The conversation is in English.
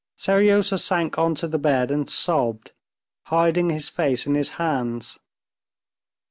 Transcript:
Seryozha sank onto the bed and sobbed, hiding his face in his hands.